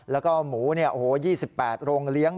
แล้วก็หมู๒๘โรงเลี้ยง